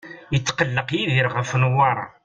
Yetqelleq Yidir ɣef Newwara.